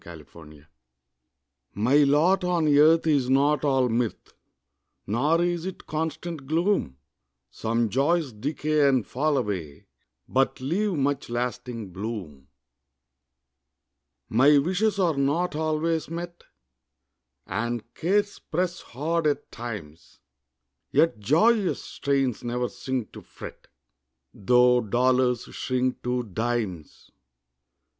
MY LOT My lot on earth is not all mirth, Nor is it constant gloom; Some joys decay and fall away, But leave much lasting bloom. My wishes are not always met, And cares press hard at times; Yet joyous strains ne'er sink to fret, Tho' dollars shrink to dimes.